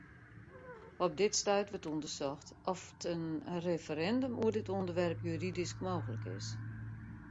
Op dit stuit wurdt ûndersocht oft in referindum oer dit ûnderwerp juridysk mooglik is.